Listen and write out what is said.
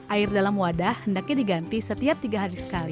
air dalam wadah hendaknya diganti setiap tiga hari sekali